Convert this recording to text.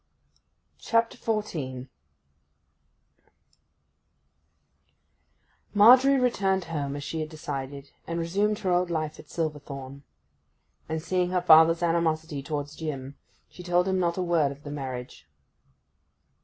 CHAPTER XIV. Margery returned home, as she had decided, and resumed her old life at Silverthorn. And seeing her father's animosity towards Jim, she told him not a word of the marriage.